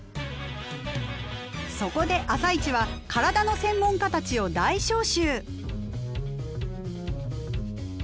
そこで「あさイチ」は体の専門家たちを大招集！